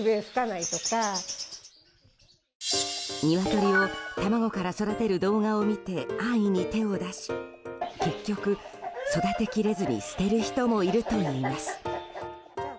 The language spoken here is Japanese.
ニワトリを卵から育てる動画を見て安易に手を出し結局、育てきれずに捨てる人もいるといいます。